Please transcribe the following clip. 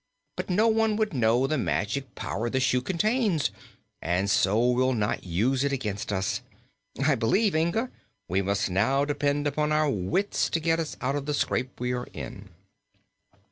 But no one could know the magic power the shoe contains and so will not use it against us. I believe, Inga, we must now depend upon our wits to get us out of the scrape we are in."